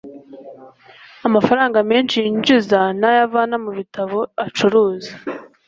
Amafaranga menshi yinjiza nayo avana mu ibitabo acuruza.